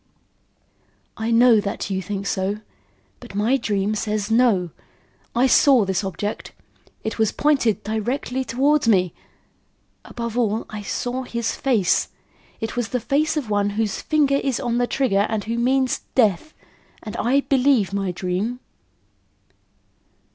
"I know that you think so; but my dream says no. I saw this object. It was pointed directly towards me above all, I saw his face. It was the face of one whose finger is on the trigger and who means death; and I believe my dream."